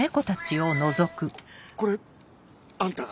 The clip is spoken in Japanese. これあんたが？